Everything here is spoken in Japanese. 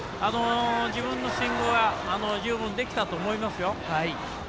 自分のスイングは十分できたと思いますよ。